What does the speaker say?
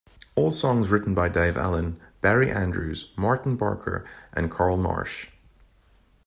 All songs written by Dave Allen, Barry Andrews, Martyn Barker and Carl Marsh.